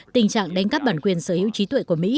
tình trạng đánh cắp bản quyền sở hữu trí tuệ của mỹ